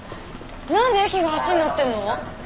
何で駅が橋になってんの？